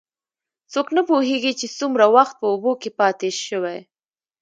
څوک نه پوهېږي، چې څومره وخت په اوبو کې پاتې شوی.